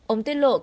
ông tiết lộ